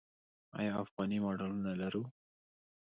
آیا افغاني ماډلونه لرو؟